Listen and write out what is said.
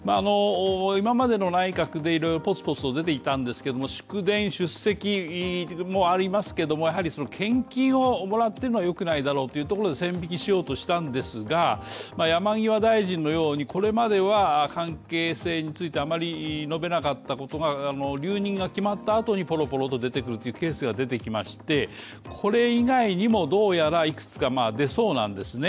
今までの内閣でぽつぽつと出ていたんですけども祝電出席もありますけれども、やはり献金をもらっているのはよくないだろうというところで、線引きしようとしたんですが山際大臣のように、これまでは関係性についてあまり述べなかったことが、留任が決まったあとにポロポロと出てくるというケースがありましてこれ以外にもどうやらいくつか出そうなんですね。